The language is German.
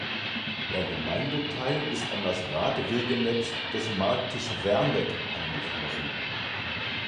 Der Gemeindeteil ist an das Radwegenetz des Marktes Werneck angeschlossen.